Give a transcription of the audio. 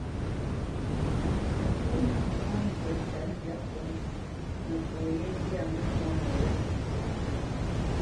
Á zhə̂ nâ ŋá ŋgyə̌ tsə̌tndyǎ pó nəpo yé zyâ mənɔ́nə wé.